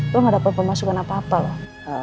lo gak dapat pemasukan apa apa loh